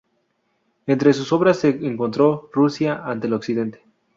Entre sus obras se encontró "Rusia ante el Occidente.